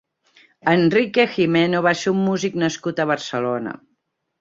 Enrique Gimeno va ser un músic nascut a Barcelona.